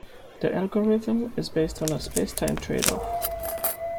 The algorithm is based on a space-time tradeoff.